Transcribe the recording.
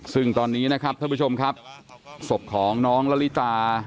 ซึ่งตอนนี้นะครับท่านผู้ชมครับศพของน้องละลิตา